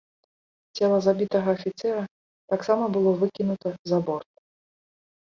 Цела забітага афіцэра таксама было выкінута за борт.